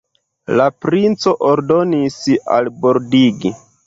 La princo ordonis albordigi.